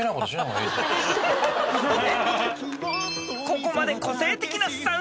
［ここまで］